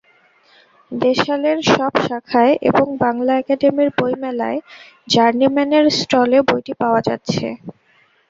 দেশালের সব শাখায় এবং বাংলা একাডেমির বইমেলায় জার্নিম্যানের স্টলে বইটি পাওয়া যাচ্ছে।